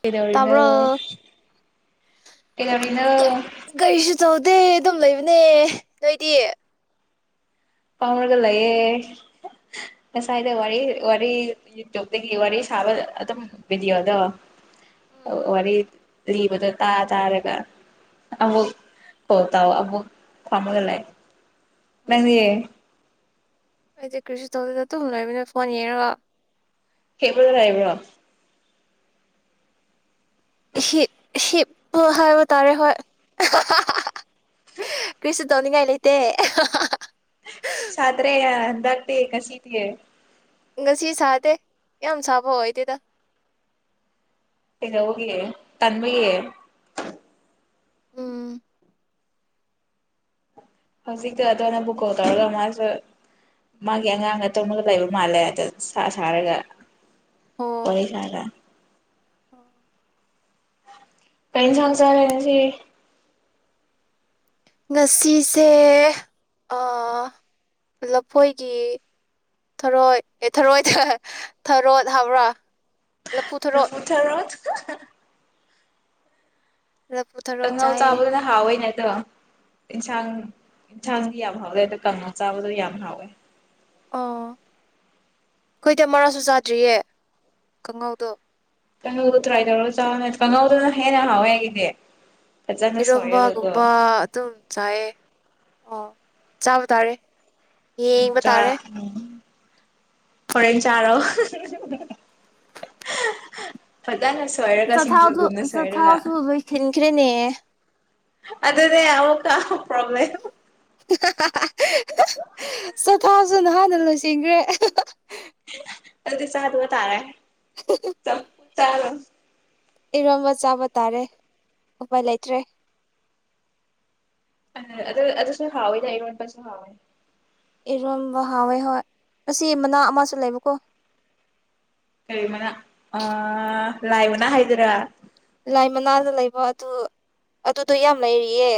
ꯀꯩꯗꯧꯔꯤꯅꯣ ꯇꯥꯕ꯭ꯔꯣ ꯑꯦꯗꯔꯤꯅ ꯗ ꯑꯗꯨꯝ ꯂꯩꯕꯅꯦ ꯅꯣꯏꯗꯤ ꯄꯥꯝꯔꯒ ꯂꯩꯑ ꯉꯁꯥꯏꯗ ꯋꯥꯔꯤ ꯋꯥꯔꯤ ꯌꯨꯇꯌꯨꯕꯇꯒꯤ ꯋꯥꯔꯤ ꯁꯥꯕ ꯑꯗꯨꯝ ꯚꯤꯗꯤꯑꯣꯗꯣ ꯋꯥꯔꯤ ꯂꯤꯕꯗꯣ ꯇꯥ ꯇꯥꯔꯒ ꯑꯃꯨꯛ ꯀꯣ ꯇꯥꯎ ꯑꯃꯨꯛ ꯄꯥꯝꯃꯒ ꯂꯩ ꯅꯪꯅꯦꯌꯦ ꯑꯩꯁꯦ ꯀ꯭ꯔꯤꯁꯤ ꯇꯣꯁꯤꯗ ꯑꯗꯨꯨꯝ ꯂꯣꯏꯃꯤꯅ ꯐꯣꯟ ꯌꯦꯡꯉꯔꯣ ꯍꯦꯕ꯭ꯔꯗ ꯍꯥꯏꯥꯕ꯭ꯔꯣ ꯍꯤꯞꯄ ꯍꯥꯏꯕ ꯇꯥꯔꯦ ꯍꯣꯏ ꯀꯔꯤꯁꯨ ꯇꯧꯅꯤꯡꯉꯥꯏ ꯂꯩꯇꯦ ꯁꯥꯇ꯭ꯔꯦꯗꯥꯛꯇ ꯀꯁꯤ ꯇꯦ ꯉꯁꯤ ꯁꯥꯗꯦ ꯌꯥꯝ ꯁꯥꯕ ꯑꯣꯏꯗꯦꯗ ꯇꯅ ꯍꯒꯦ ꯇꯟꯃꯤꯌꯦꯦ ꯎꯝ ꯍꯧꯖꯤꯛꯇꯣ ꯑꯗꯣꯅ ꯕꯨ ꯀꯣꯜ ꯇꯧꯔꯒ ꯃꯥꯁꯨ ꯃꯥꯒꯤ ꯑꯉꯥꯡꯒ ꯇꯨꯝꯉꯒ ꯂꯩꯕ ꯃꯥꯜꯂꯦ ꯑ ꯁꯥꯔꯒ ꯋꯥꯔꯤꯆꯔꯦ ꯑꯣ ꯀꯩꯅꯩꯅ ꯆꯥꯟ ꯆꯔꯦꯩꯅꯁꯤ ꯉꯁꯤꯁꯦ ꯂꯐꯣꯏꯒꯤ ꯊꯔꯣꯏ ꯊꯔꯣꯏ ꯊꯔꯣꯠ ꯍꯥꯏꯕ꯭ꯔꯥ ꯂꯐꯨ ꯊꯥꯔꯣ [unintelligible] ꯂꯐꯨ ꯀꯪ ꯊꯔꯣꯠ ꯉꯎ ꯆꯥꯏꯌꯦ ꯆꯕꯅꯍꯋꯥꯏꯅꯦ ꯑꯗꯣ ꯏꯟꯁꯥꯡ ꯏꯟꯁꯥꯡꯗꯤ ꯌꯥꯝ ꯍꯥꯎꯋꯦ ꯑꯗꯣ ꯀꯥꯡ ꯆꯥꯕꯗꯣ ꯌꯥꯝ ꯍꯥꯎꯋꯦ ꯑꯣ ꯑꯩꯈꯣꯏꯗ ꯃꯔꯥꯁꯨ ꯆꯥꯗ꯭ꯔꯤꯌꯦ ꯈꯉꯥꯎꯗꯣ ꯀꯥꯡꯍꯧꯗꯨ ꯇ꯭ꯔꯥꯏ ꯇꯧꯔꯒ ꯆꯥ ꯀꯥꯡꯉꯧꯗꯨꯅ ꯍꯦꯟꯅ ꯍꯥꯎꯋꯦꯒꯤꯗꯤ ꯏꯔꯣꯝꯕꯒꯨꯝꯕ ꯑꯗꯨꯝ ꯆꯥꯏꯑꯌꯦ ꯑꯣ ꯆꯥꯕ ꯇꯥꯔꯦ ꯌꯦꯕ ꯆꯥ ꯇꯥꯔꯦ ꯎꯝ ꯍꯣꯔꯦꯟ ꯆꯥꯔꯣ ꯐꯖꯅ ꯁꯣꯏꯔꯒ ꯆꯊꯥꯎꯁꯨ ꯁꯤꯡꯖꯨꯒꯨꯝꯅ ꯁꯣꯏꯔꯒ ꯆꯊꯥꯎꯁꯨ ꯂꯣꯏꯈꯤꯟꯈ꯭ꯔꯦꯅꯦ ꯑꯗꯨꯗꯅꯦ ꯑꯃꯨꯛꯀ ꯄ꯭ꯔꯣꯕꯂꯦꯝ ꯆꯊꯥꯁꯨ ꯅꯍꯥꯟꯅ ꯂꯣꯏꯁꯤꯟꯈ꯭ꯔꯦ ꯑꯗꯨꯗꯤ ꯆꯥꯗꯕ ꯇꯥꯔꯦ ꯍꯨꯝ ꯍꯨꯝ ꯇꯥ ꯏꯔꯣꯝꯕ ꯆꯥꯕ ꯇꯥꯔꯦ ꯎꯄꯥꯏ ꯂꯩꯇ꯭ꯔꯦ ꯑ ꯑꯗ ꯑꯗꯨꯁꯨ ꯍꯎꯏ ꯏꯔꯣꯟꯕꯁꯨ ꯍꯥꯎꯋꯦ ꯏꯔꯣꯝꯕ ꯍꯥꯎꯋꯦ ꯍꯣꯏ ꯑꯁꯤ ꯃꯅꯥ ꯑꯃꯁꯨ ꯂꯩꯕꯀꯣ ꯀꯔꯤ ꯃꯅꯥ ꯑ ꯂꯥꯏꯃꯅ ꯍꯥꯏꯗꯨꯔ ꯂꯥꯏ ꯃꯅꯥꯗ ꯂꯩꯕ ꯑꯗꯨ ꯑꯗꯨꯗꯣ ꯌꯥꯝ ꯂꯩꯔꯤꯌꯦ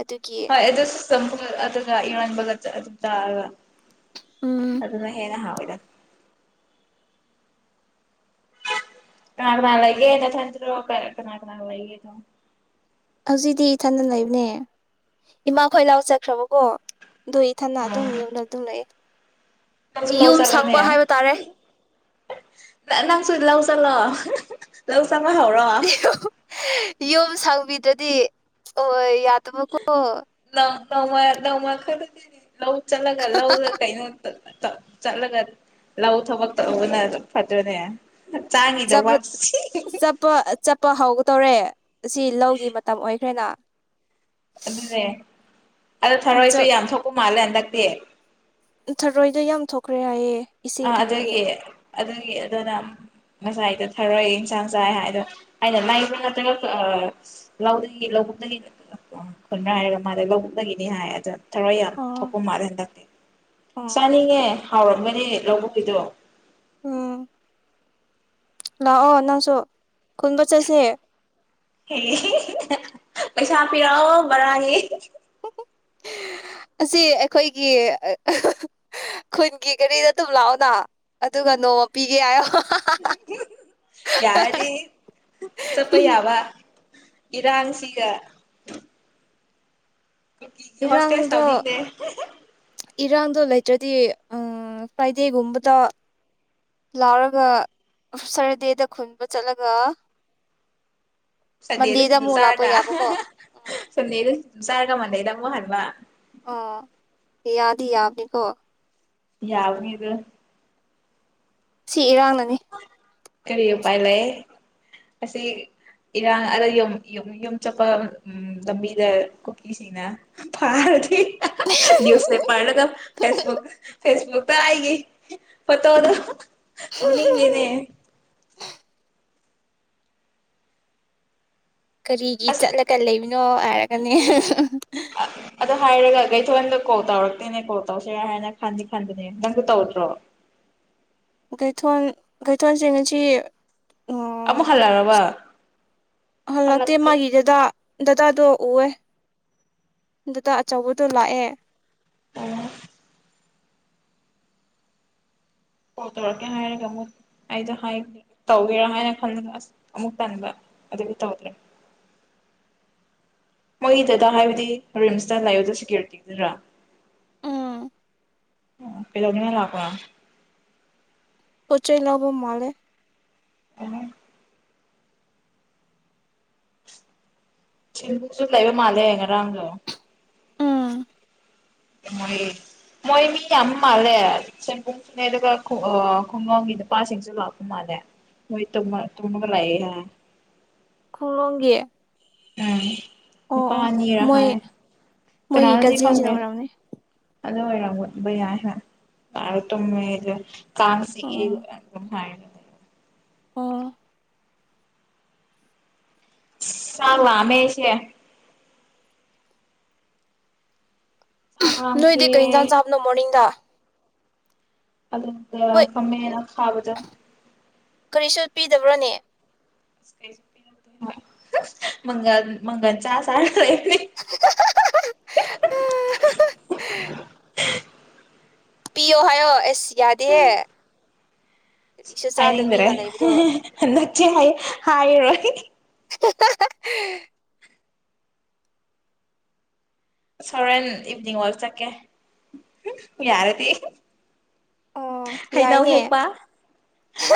ꯑꯗꯨꯒꯤ ꯍꯣꯢ ꯑꯗꯨꯁꯨ ꯆꯝꯐꯨꯠ ꯑꯗꯨꯒ ꯢꯔꯣꯟꯕꯒ ꯆꯥꯔꯒ ꯎꯝ ꯑꯗꯨꯅ ꯍꯦꯅ ꯍꯥꯏꯕ ꯇꯠ ꯀꯅꯥ ꯀꯅꯥ ꯂꯩꯏꯒꯦ ꯅꯊꯟꯇꯔꯣ ꯀꯅꯥ ꯀꯅꯥ ꯂꯩꯒꯦ ꯍꯧꯖꯤꯛꯇꯤ ꯏꯊꯟꯗ ꯂꯩꯕꯅꯦ ꯏꯃꯥ ꯈꯣꯏ ꯂꯥꯎ ꯆꯠꯈ꯭ꯔꯕꯀꯣ ꯑꯗꯨ ꯏꯊꯟꯅꯥ ꯑꯗꯨꯝ ꯌꯨꯝꯗ ꯑꯗꯨꯝ ꯂꯩꯌꯦ ꯅꯖꯨ ꯂꯥꯎ ꯌꯨꯝ ꯁꯪꯕ ꯆꯠꯂꯨꯅꯦ ꯍꯥꯏꯕ ꯇꯥꯔꯦ ꯅꯪꯁꯨ ꯂꯧ ꯆꯠꯂꯣ ꯆꯠꯄ ꯍꯧꯔꯣ ꯌꯣꯝ ꯁꯥꯎꯕꯤꯗꯗꯤ ꯑꯣ ꯌꯥ ꯑꯗꯨꯃꯀꯣ ꯃꯥ ꯅꯎꯃ ꯈ ꯂꯧ ꯆꯠꯂꯒ ꯂꯧꯗ ꯀꯩꯩꯅꯣꯗ ꯆꯠꯂꯒ ꯂꯧ ꯊꯕꯛ ꯇꯧꯕꯅ ꯐꯠꯇ꯭ꯔꯅꯦ ꯆꯄ ꯆꯠꯄ ꯆꯠꯄ ꯍꯧꯒ ꯇꯧꯔꯦ ꯁꯤ ꯂꯧꯒꯤ ꯃꯇꯝ ꯑꯣꯏꯈ꯭ꯔꯦꯅ ꯑꯗꯨꯅꯦ ꯑꯗꯣ ꯊꯔꯣꯏꯁꯨ ꯌꯥꯝ ꯊꯣꯛꯄ ꯃꯥꯜꯂꯦ ꯍꯟꯗꯛ ꯇꯤ ꯊꯔꯣꯏꯗ ꯌꯥꯝ ꯊꯣꯛꯈ꯭ꯔꯦ ꯍꯥꯏꯌꯦ ꯑ ꯏꯁꯤꯡ ꯊꯝꯕꯒꯤ ꯑꯗꯨꯒꯤ ꯑꯗꯨꯒꯤ ꯑꯗꯨꯅ ꯉꯁꯥꯏ ꯗ ꯊꯥꯔꯛꯑꯦ ꯌꯦꯟꯁꯥꯡ ꯆꯥꯏ ꯍꯥꯏ ꯑꯗꯣ ꯑꯩꯅ ꯂꯕ꯭ꯔꯥ ꯅꯠꯇ꯭ꯔꯒ ꯂꯧꯗꯒꯤ ꯂꯧꯕꯨꯛꯇꯒꯤ ꯈꯨꯟꯅ꯭ꯔꯥ ꯍꯥꯏꯔꯒ ꯃꯥꯗ ꯂꯧꯕꯨꯛꯇꯗꯒꯤꯅꯤ ꯍꯥꯏ ꯑꯗꯣ ꯊꯔꯣꯏ ꯌꯥꯝ ꯑꯣ ꯊꯣꯛꯄ ꯃꯥꯜꯂꯦ ꯍꯟꯗꯤ ꯑꯣ ꯆꯥꯅꯤꯡꯉꯦ ꯍꯥꯎꯔꯝꯒꯅꯤ ꯂꯧꯕꯨꯛꯀꯤꯗꯣ ꯎꯝ ꯂꯥꯛꯑꯣ ꯅꯪꯁꯨ ꯈꯨꯟꯕ ꯆꯠꯁꯦ ꯄꯩꯁꯥ ꯄꯤꯔꯛꯑꯣ ꯕꯔꯥꯒꯤ ꯑꯁꯤ ꯑꯩꯈꯣꯏꯒꯤ ꯈꯨꯟꯒꯤ ꯒꯥꯔꯤꯗ ꯑꯗꯨꯝ ꯂꯥꯛꯑꯣꯅ ꯑꯗꯨꯒ ꯅꯣꯡꯃ ꯄꯤꯒꯦ ꯍꯥꯏꯣ ꯌꯥꯔꯗꯤ ꯆꯠꯄ ꯌꯥꯕ ꯏꯔꯥꯡꯁꯤꯒ ꯍꯁꯦꯁ ꯏꯔꯥꯡꯗꯣ ꯇꯧꯗꯗꯦ ꯏꯔꯥꯡꯗꯣ ꯂꯩꯇ꯭ꯔꯗꯤ ꯐ꯭ꯔꯥꯏꯗꯦꯒꯨꯝꯕꯗ ꯂꯥꯎꯔꯒ ꯁꯇꯔꯗꯦꯗ ꯈꯨꯟꯕ ꯆꯠꯂꯒ ꯁꯗꯦꯔꯁꯤ ꯃꯟꯗꯦꯗ ꯑꯃꯨꯛ ꯂꯥꯛꯄ ꯁꯥꯔꯒ ꯌꯥꯕꯀꯣ ꯁꯅꯤꯦꯔꯁꯤ ꯁꯥꯔꯒ ꯃꯅ ꯂꯩꯗ ꯍꯥꯏꯥꯛ ꯑꯣ ꯌꯥꯗꯤ ꯌꯥꯕꯅꯤꯀꯣ ꯌꯥꯎꯅꯤꯗ ꯁꯤ ꯏꯔꯥꯡꯅ ꯅꯤ ꯀꯔꯤ ꯎꯄꯥꯏ ꯂꯩ ꯑꯁꯤ ꯏꯔꯥꯡ ꯑꯗ ꯌ ꯌꯨꯝ ꯆꯠꯄ ꯂꯝꯕꯤꯗ ꯀꯨꯀꯤꯁꯤꯡꯅ ꯐꯥꯔꯗꯤ ꯅꯤꯌꯨꯁ ꯄꯦꯄꯔ ꯗꯥꯒꯥ ꯐꯦꯁꯕꯨꯛ ꯐꯦꯁꯕꯨꯨꯛ ꯇꯏꯒꯦ ꯐꯣꯇꯣꯗꯣ ꯑꯣꯅꯤꯡ ꯉꯦꯅꯦ꯫ [unintelligible] ꯀꯔꯤꯒꯤ ꯑꯁ ꯆꯠꯂꯒ ꯂꯩꯕꯅꯣ ꯍꯥꯏꯔꯒꯅꯦ ꯑꯗꯣ ꯍꯥꯏꯔꯒ ꯀꯩꯊꯣꯛꯗ ꯀꯣꯜ ꯇꯧꯔꯛꯇꯣꯏꯅꯦ ꯀꯣꯜ ꯇꯧꯁꯤꯔ ꯍꯥꯏꯅ ꯈꯟꯗꯤ ꯈꯟꯅꯅꯦ ꯅꯪꯁꯨ ꯇꯧꯗ꯭ꯔꯣ? ꯀꯊꯣꯟ ꯀꯩꯊꯣꯟ ꯁꯦ ꯉꯁꯤ ꯑꯃꯨꯛ ꯎꯝ ꯍꯜꯂꯛꯔꯕ ꯍꯜꯂꯛꯇꯦ ꯃꯥꯒꯤꯗꯨꯗ ꯗꯗꯥꯗꯣ ꯑꯣꯏ ꯗꯗꯥ ꯑꯆꯧꯕꯗꯣ ꯂꯥꯛꯑꯦ ꯑ ꯀꯣꯜ ꯇꯧꯔꯛꯀꯦ ꯍꯥꯏꯔꯒ ꯑꯃꯨꯛ ꯑꯩꯗꯣ ꯍꯥꯏ ꯇꯧꯒꯦꯔꯥ ꯍꯥꯏꯅ ꯈꯟꯕꯒ ꯑꯁ ꯑꯃꯨꯛ ꯇꯟꯕ ꯑꯗꯨꯒꯤ ꯇꯧꯗ꯭ꯔꯦ ꯃꯣꯏꯒꯤ ꯗꯗꯥ ꯍꯥꯏꯕꯗꯤ ꯔꯤꯝꯁꯇ ꯂꯩꯕꯗꯣ ꯁꯦꯀ꯭ꯌꯨꯔꯤꯇꯤꯗꯨꯔꯥ ꯎꯝ ꯑꯣ ꯀꯩꯗꯧꯅꯤꯅ ꯂꯥꯛꯄ ꯄꯣꯠ ꯆꯩ ꯂꯧꯕ ꯃꯥꯂꯦ ꯑ [unintelligible] ꯂꯩꯔ ꯃꯥꯜꯂꯦ ꯉꯔꯥꯡꯗꯣ ꯎꯝ ꯃꯣꯏ ꯃꯣꯏ ꯃꯤ ꯌꯥꯝ ꯃꯥꯜꯂꯦ ꯁꯦꯟꯕꯨꯡꯁꯨꯅꯦ ꯑꯗꯨꯒ ꯈꯨ ꯑꯥ ꯈꯨꯡꯒꯪꯒꯤ ꯅꯨꯄꯥꯁꯤꯡꯁꯨ ꯂꯥꯛꯄ ꯃꯥꯜꯂꯦ ꯃꯣꯏ ꯇꯨꯝꯃ ꯇꯨꯝꯃꯒ꫰ꯂꯩꯌꯦ ꯍꯥꯏ ꯈꯨꯡꯒꯪꯒꯤ ꯎꯝ ꯅꯤꯄꯥ ꯑꯅꯤꯔ ꯃꯣꯏ ꯍꯥꯏ ꯃꯣꯏꯒꯤ ꯀꯅꯥꯅꯣꯗꯤ ꯀꯖꯤꯟꯁꯤꯅ ꯈꯪꯗꯦ ꯑꯣꯏꯔꯝꯅꯤ ꯑꯗꯨ ꯑꯣꯏꯔꯝ [unintelligible] ꯀꯥꯡ ꯆꯤꯛꯑꯦ ꯑꯣ ꯑꯗꯨꯝ ꯍꯥꯏ ꯑꯣ ꯆꯥꯛ ꯂꯥꯝꯃꯦ ꯑꯩꯁꯦ ꯆꯥꯛ ꯅꯣꯏꯗꯤ ꯂꯥꯝꯈ꯭ꯔꯦ ꯀꯩ ꯌꯦꯟꯖꯥꯡ ꯆꯥꯕꯅꯣ ꯃꯣꯔꯅꯤꯡꯗ ꯑꯗꯨꯗ ꯍꯣꯏ ꯈꯥꯃꯦꯟ ꯑꯈꯥꯕꯗꯣ ꯗꯕꯔ꯭ꯅꯦ ꯀꯔꯤꯁꯨ [inaudible] ꯃꯪꯒꯟ ꯃꯪꯒꯟ ꯆꯥꯔ ꯆꯥꯔꯒ ꯂꯩ ꯍꯥ ꯍꯥ ꯍꯥ ꯍꯥ ꯄꯤꯌꯣ ꯍꯥꯏꯌꯣ ꯑꯦꯁ ꯌꯥꯗꯦ ꯍꯥꯏꯅꯤꯡꯗꯔꯦ ꯍꯦꯍꯦ ꯍꯟꯗꯛꯇꯤ ꯍꯥꯏ ꯍꯥꯢꯔꯦ [unintelligible] ꯁꯣꯔꯦꯟ ꯏꯚꯅꯤꯡ ꯋꯥꯛ ꯆꯠꯀꯦ ꯌꯥꯔꯗꯤ꯫ ꯑꯣ ꯍꯩꯅꯧ ꯌꯥꯏꯅꯦ ꯍꯦꯛꯄ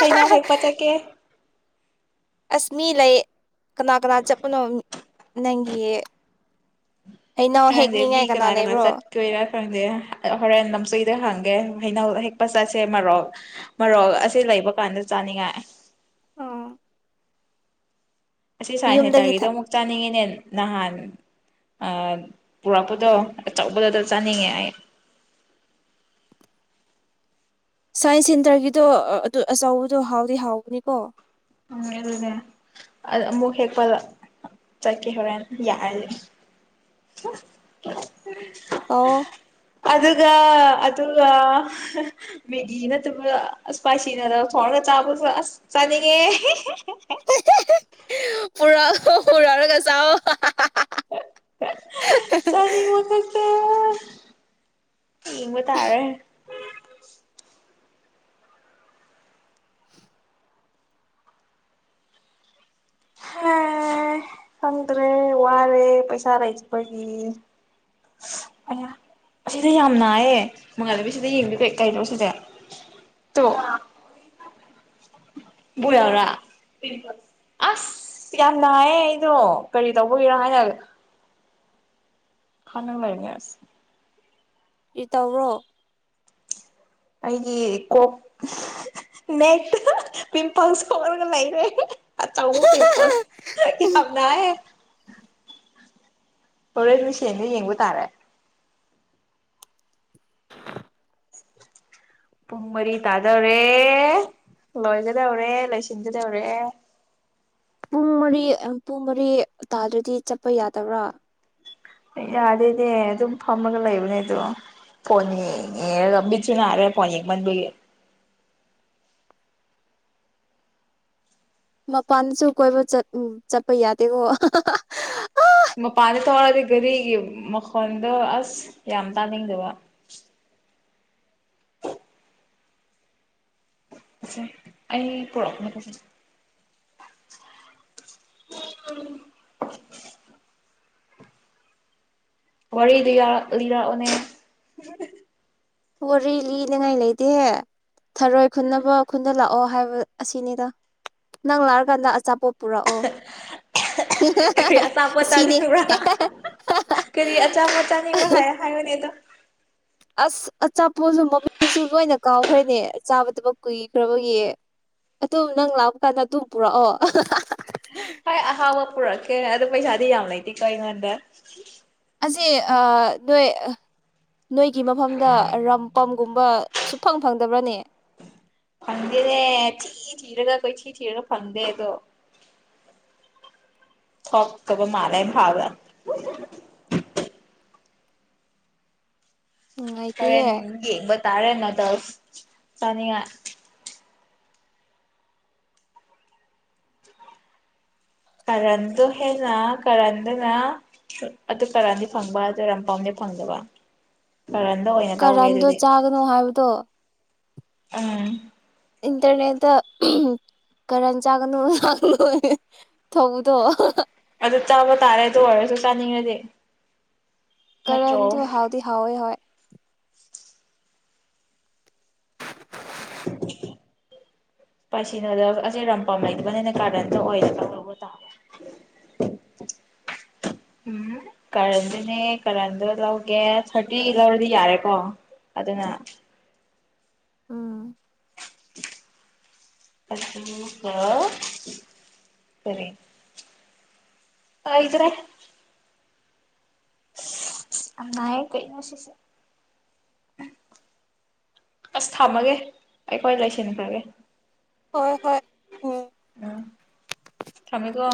ꯍꯩꯅꯧ ꯍꯦꯛꯄ ꯆꯠꯀꯦ ꯑꯁ ꯃꯤ ꯂꯩ ꯀꯅꯥ ꯀꯅꯥ ꯆꯠꯄꯅꯣ ꯅꯪꯒꯤ ꯍꯩꯅꯧ ꯈꯪꯗꯦ ꯃꯤ ꯍꯦꯛꯅꯤꯡꯉꯥꯏ ꯀꯅꯥ ꯀꯅꯥ ꯂꯩꯕ꯭ꯔꯣ ꯆꯠꯇꫭꯏꯔꯥ ꯈꯪꯗꯦ ꯍꯣꯔꯦꯟ ꯂꯝꯁꯣꯏꯗ ꯍꯪꯗ ꯒꯦ ꯍꯩꯅꯧ ꯍꯦꯛꯄ ꯆꯠꯁꯦ ꯃꯔꯣꯜ ꯃꯔꯣꯜ ꯑꯁꯤ ꯂꯩꯕ ꯀꯥꯟꯗ ꯆꯥꯅꯤꯡꯉꯥꯏ ꯑ ꯑꯁꯤ ꯁꯥꯏꯅ ꯊ ꯍꯥꯏꯇꯥꯔꯒꯗꫭ ꯑꯃꯨꯛ ꯆꯥꯅꯤꯡꯉꯦꯅꯦ ꯅꯍꯥꯟ ꯑ ꯄꯨꯔꯛꯄꯗꯣ ꯑꯆꯧꯕꯗꯨ ꯑꯗꫭ ꯆꯥꯅꯤꯡꯉꯦ ꯑꯩ ꯁꯥꯏꯟꯁ ꯁꯦꯟꯇꯔꯒꯤꯗꯣ ꯑꯗꯨ ꯑꯆꯧꯕꯗꯣ ꯍꯥꯎꯗꯤ ꯍꯥꯎꯕꯅꯤꯀꯣ ꯎ ꯑꯗꯨꯅꯦ ꯑ ꯑꯃꯨꯛ ꯍꯦꯛꯄ ꯆꯠꯀꯦ ꯍꯣꯔꯦꯟ ꯌꯥꯔꯁꯦ ꯑꯣ ꯑꯗꯨꯒ ꯑꯗꯨꯒ ꯃꯦꯒꯤ ꯅꯠꯇꯕꯗ ꯏꯁꯄꯥꯏꯁꯤ ꯅꯨꯗꯜ ꯍꯧꯔꯒ ꯆꯥꯕꯁꯨ ꯑꯁ ꯆꯥꯅꯤꯡ ꯉꯦ [inaudible] ꯄꯨꯔꯥ ꯑꯣ ꯍꯧꯔꯒ ꯆꯥꯎ [inaudible] [inaudible] ꯆꯅꯤꯕ ꯈꯛꯇ [unintelligible] ꯌꯦꯡꯕ ꯇꯥꯔꯦ ꯍ ꯈꯪꯗ꯭ꯔꯦ ꯋꯥꯔꯦ ꯄꯩꯁꯥ ꯂꯩꯇꯕꯒꯤ ꯑꯁꯤꯗ ꯌꯥꯝ ꯅꯥꯏꯌꯦ ꯃꯉꯥꯂꯩ ꯁꯤꯗ ꯌꯦꯡꯗꯦ ꯀꯩ ꯀꯩꯅꫭ ꯁꯤꯖꯦ ꯇꯨ [unintelligible] ꯑꯁ ꯌꯥꯝ ꯅꯨꯡꯉꯥꯏꯌꯦ ꯑꯩꯗꯣ ꯀꯔꯤ ꯇꯧꯕꯒꯤꯔꯥ ꯍꯥꯏꯅ ꯈꯅꯤꯡ ꯂꯩꯅꯤ ꯑꯁ ꯀꯤꯔꯤ ꯇꯧꯕꯔꯣ ꯑꯩꯒꯤ ꯀꫭꯛ [inaudible] ꯅꯦꯛ ꯄꯤꯝꯄꯜꯁ ꯁꯧꯔꯒ ꯂꯩꯔꯦ ꯑꯆꯥꯎꯕ ꯄꯤꯝꯄꯜꯁ ꯌꯝ ꯅꯥꯏꯌꯦ [unintelligible] ꯍꯔꯣꯏꯃꯤꯡꯁꯦꯡꯗ ꯌꯦꯡꯕ ꯇꯥꯔꯦ ꯄꯨꯡ ꯃꯔꯤ ꯇꯥꯗꯧꯔꯦ ꯂꯣꯏꯒꯗꯧꯔꯦ ꯂꯣꯏꯁꯤꯟꯒꯗꯧꯔꯦ ꯄꯨꯡ ꯃꯔꯤ ꯄꯨꯡ ꯃꯔꯤ ꯇꯥꯗꯗꯤ ꯆꯠꯄ ꯌꯥꯗꯕ꯭ꯔꯥ ꯌꯥꯗꯦꯅꯦ ꯑꯗꯨꯝ ꯐꯝꯃꯒ ꯂꯩꯕꯅꯦ ꯑꯗꯣ ꯐꯣꯟꯌꯦꯡ ꯉꯒ ꯃꯤꯠꯁꯦ ꯅꯥꯔꯦ ꯐꯣꯟꯌꯦꯡ ꯃꯟꯕꯒꯤ ꯃꯄꯥꯟꯁꯨ ꯀꯣꯏꯕꯨ ꯆꯠꯄ ꯌꯥꯗꯦꯀꯣ [unintelligible] ꯃꯄꯥꯟꯗ ꯊꯧꯔꯛꯗꯤ ꯘꯔꯤꯒꯤ ꯃꯈꯣꯟꯗꯣ ꯑꯁ ꯌꯥꯝ ꯇꯥꯅꯤꯡꯗꯕ ꯑꯩ ꯄꯨꯔꯛ [inaudible] ꯋꯥꯔꯤ ꯂꯤ ꯂꯤꯔꯛꯑꫭꯅꯦ ꯋꯥꯔꯤ ꯂꯤꯅꯉꯥꯏ ꯂꯩꯗꯦ ꯊꯔꯣꯏ ꯈꯨꯟꯅꯕ ꯈꯨꯟꯗ ꯂꯥꯛꯑꯣ ꯍꯥꯏꯕ ꯑꯁꯤꯅꯤꯗ ꯅꯪ ꯂꯥꯛꯑꯀꯥꯟꯗ ꯑꯆꯥꯄꯣꯠ ꯄꯨꯔꯛꯑꯣ ꯀꯔꯤ ꯑꯆꯥꯄꯣꯠ [unintelligible] ꯁꯤꯅꯦ [inaudible] ꯆꯥꯅꯤꯡꯕ꯭ꯔꯥ ꯀꯔꯤ ꯑꯆꯥꯄꯣꯠ ꯆꯥꯅꯤꯡꯕ꯭ꯔꯥ ꯍꯥꯏ ꯍꯥꯏꯌꯣꯅꯦ ꯑꯗꯣ ꯑꯁ ꯑꯆꯥꯄꯣꯠꯁꯨ ꯃꯃꯤꯡꯁꯨ ꯂꯣꯏꯅ ꯀꯥꯎꯈ꯭ꯔꯦꯅꯦ ꯑ ꯆꯥꯗꯕ ꯀꯨꯏꯈ꯭ꯔꯕꯒꯤ ꯑꯗꯨꯝ ꯅꯪ ꯂꯥꯛꯄ ꯀꯥꯟꯗ ꯑꯗꯨꯝ ꯄꯨꯔꯛꯑꯣ ꯍꯣꯏ ꯑꯍꯥꯎꯕ ꯄꯨꯔꯛꯀꯦ ꯑꯗꯨꯣ ꯄꯩꯁꯥꯗꯤ ꯌꯥꯝ ꯂꯩꯇꯦꯀꯣ ꯑꯩꯉꯣꯟꯗ ꯑ ꯅꫭꯏ ꯅꯣꯏꯒꯤ ꯃꯐꯝꯗ ꯔꯝꯄꯝ ꯒꯨꯝꯕ ꯁꯨ ꯐꯪ ꯐꯪꯗꯕ꯭ꯔꯅꯦ ꯐꯪꯗꯦꯅꯦ ꯊꯤ ꯊꯤꯔꯒ ꯛꯥꯏꯊꯤ ꯊꯤꯔꯒ ꯐꯪꯗꯦ ꯑꯗꯣ ꯊꫭꯛꯇꯕ ꯃꯥꯜꯂꯦ ꯏꯝꯐꯜꯗ ꯔꫭꯔꯦꯟ ꯅꯨꯡꯉꯥꯏꯇꯦꯍꯦ ꯌꯦꯡꯕ ꯇꯥꯔꯦꯅꯗ ꯆꯅꯤꯉ ꯀꯔꯟꯗꯣ ꯍꯦꯟꯅ ꯀꯔꯟꯗꯅ ꯑꯗꯨ ꯀꯔꯥꯟꯗꯤ ꯐꯪꯕ ꯀꯔꯝ ꯄꯝꯗꯤ ꯐꯪꯗꯕ ꯀꯔꯟꯗꯣ ꯑꯣꯏꯅ ꯂꯧꯒꯦ ꯀꯔꯝꯗꯣ ꯆꯥꯒꯅꯣ ꯍꯥꯏꯕꯗꯣ ꯑꯝ ꯏꯟꯇꯔꯅꯦꯠꯇ ꯀꯔꯟ ꯆꯥꯒꯅꯣ ꯂꯥꯛꯒꯅꯨ ꯊꯧꯕꯗꯣ ꯑꯗꯨ ꯆꯥꯕ ꯇꯥꯔꯦ ꯑꯗꯨ ꯋꯥꯔꯁꯨ ꯆꯥꯅꯤꯡꯉꯗꯤꯦ ꯀꯔꯟꯇ ꯍꯥꯎꯗꯤ ꯍꯥꯎꯋꯦ ꯍꯣꯏ ꯄꯁꯤꯅꯣꯗꯣ ꯑꯁꯤꯁ ꯔꯝꯄꯝ ꯂꯩꯩꯕꯅꯤꯅ ꯀꯥꯔꯟꯗꯣ ꯑꯣꯏ ꯎꯝ ꯀꯥꯔꯟꯗꯨꯅꯦ ꯀꯔꯟꯗꯣ ꯂꯧꯒꯦ ꯊꯥꯔꯇꯤ ꯂꯧꯔꯗꯤ ꯌꯥꯔꯦꯀꯣ ꯑꯗꯨꯅ ꯎꯝ ꯐꯔꯦ ꯏꯗ꯭ꯔꯦ ꯑꯉꯥꯏ ꯀꯩꯅꯣ ꯁꯤꯁꯦ ꯑꯁ ꯊꯝꯃꯒꯦ ꯑꯩꯈꯣꯏ ꯂꯩꯁꯤꯟꯈ꯭ꯔꯒꯦ ꯍꯣꯏ ꯍꯣꯏ ꯎꯝ ꯈꯃꯤꯒꯣ